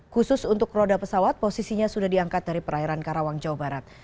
khusus untuk roda pesawat posisinya sudah diangkat dari perairan karawang jawa barat